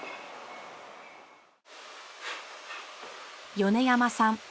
米山さん